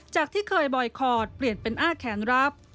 จากที่เคยบอยคอร์ดเปลี่ยนเป็นอ้าแขนรับ